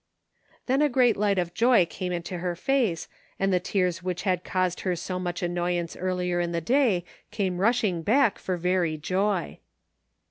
Then a great light of joy came into her face, and the tears which had caused her so much annoyance earlier in the day came rushing back for very joy.